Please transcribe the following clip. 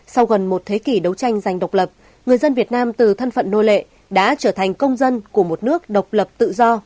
sau gần một thế kỷ đấu tranh giành độc lập người dân việt nam từ thân phận nô lệ đã trở thành công dân của một nước độc lập tự do